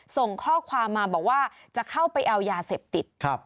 ส่งข้อความมาบอกว่าจะเข้าไปเอายาเสพติด